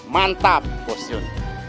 mantap pos yuk